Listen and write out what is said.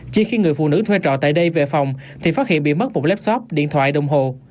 chỉ khi người phụ nữ thuê trọ tại đây về phòng thì phát hiện bị mất một lapsop điện thoại đồng hồ